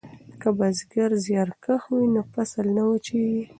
که بزګر زیارکښ وي نو فصل نه وچیږي.